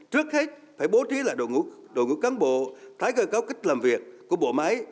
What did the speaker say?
trước hết phải bố trí lại đội ngũ cán bộ tái cờ cầu kích làm việc của bộ máy